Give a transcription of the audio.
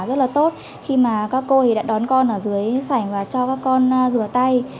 rất là tốt khi mà các cô thì đã đón con ở dưới sảnh và cho các con rửa tay